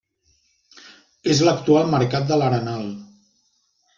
És l'actual Mercat de l'Arenal.